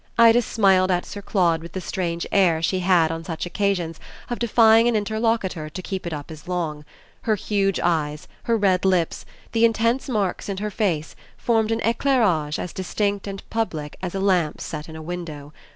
Ida smiled at Sir Claude with the strange air she had on such occasions of defying an interlocutor to keep it up as long; her huge eyes, her red lips, the intense marks in her face formed an éclairage as distinct and public as a lamp set in a window.